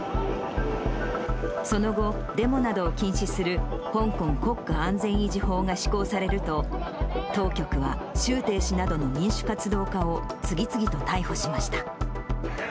その後、デモなどを禁止する香港国家安全維持法が施行されると、当局は、周庭氏などの民主活動家を次々と逮捕しました。